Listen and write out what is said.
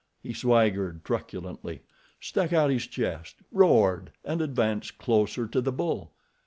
He swaggered truculently, stuck out his chest, roared and advanced closer to the bull.